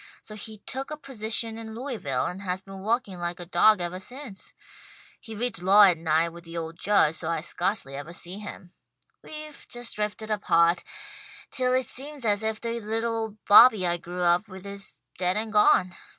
So he took a position in Louisville, and has been working like a dawg evah since. He reads law at night with the old Judge, so I scarcely evah see him. We've just drifted apart, till it seems as if the little old Bobby I grew up with is dead and gone.